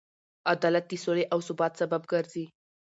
عدالت د سولې او ثبات سبب ګرځي.